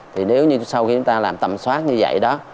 thì nếu như sau khi chúng ta làm tầm soát như vậy đó